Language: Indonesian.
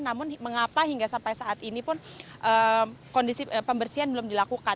namun mengapa hingga sampai saat ini pun kondisi pembersihan belum dilakukan